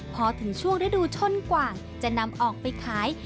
พอถึงช่วงฤดูชนกว่าจะนำออกไปขาย